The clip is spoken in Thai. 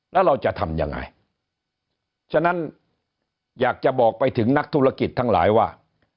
แล้วเราจะทำยังไงฉะนั้นอยากจะบอกไปถึงนักธุรกิจทั้งหลายว่า